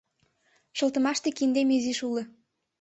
— Шылтымаште киндем изиш уло.